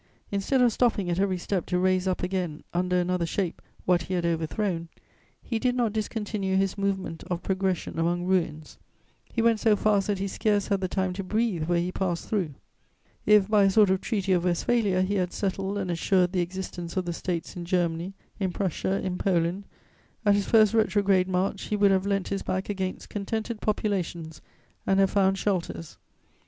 Instead of stopping at every step to raise up again, under another shape, what he had overthrown, he did not discontinue his movement of progression among ruins: he went so fast that he scarce had the time to breathe where he passed through. If, by a sort of Treaty of Westphalia, he had settled and assured the existence of the States in Germany, in Prussia, in Poland, at his first retrograde march he would have leant his back against contented populations and have found shelters.